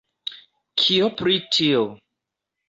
Kio pri tio?